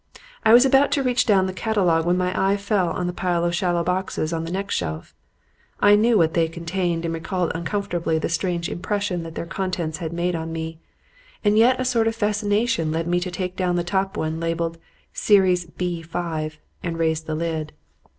I was about to reach down the catalogue when my eye fell on the pile of shallow boxes on the next shelf. I knew what they contained and recalled uncomfortably the strange impression that their contents had made on me; and yet a sort of fascination led me to take down the top one labelled "Series B 5" and raise the lid.